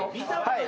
はい。